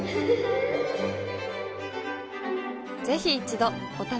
ぜひ一度お試しを。